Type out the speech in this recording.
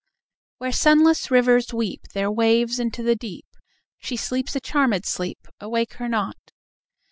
Where sunless rivers weep Their waves into the deep, She sleeps a charmèd sleep: Awake her not.